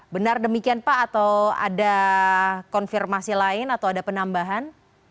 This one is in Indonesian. benar demikian pak atau ada konfirmasi lain atau ada penambahan